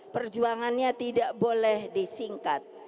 perjuangannya tidak boleh disingkat